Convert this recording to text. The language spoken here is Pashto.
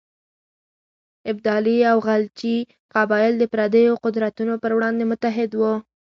ابدالي او غلجي قبایل د پرديو قدرتونو پر وړاندې متحد وو.